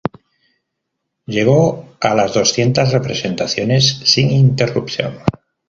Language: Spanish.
Llegó a las doscientas representaciones sin interrupción.